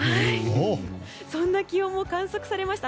そんな気温も観測されました。